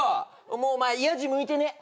もうお前やじ向いてねえ。